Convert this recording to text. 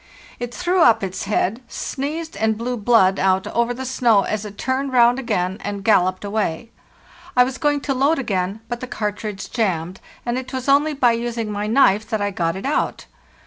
It threw up its head, sneezed, and blew blood out over the snow as it turned round again and galloped away. I was going to load again, but the cartridge jammed, and it was only by using my knife that I got it out.